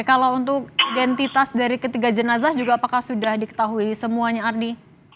kalau untuk identitas dari ketiga jenazah juga apakah sudah diketahui semuanya ardi